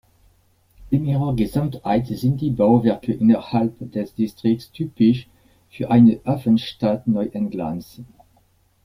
In ihrer Gesamtheit sind die Bauwerke innerhalb des Distrikts typisch für eine Hafenstadt Neuenglands.